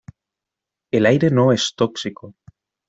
El aire no es tóxico.